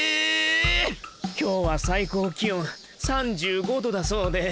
今日は最高気温３５度だそうで。